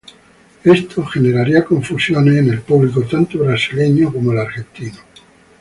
Esto generaría confusiones en el público tanto brasileño como el argentino.